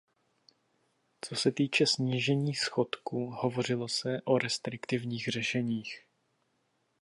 Co se týče snížení schodku, hovořilo se o restriktivních řešeních.